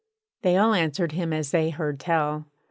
' They all answered him as they heard tell.